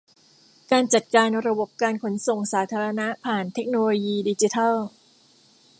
การจัดการระบบการขนส่งสาธารณะผ่านเทคโนโลยีดิจิทัล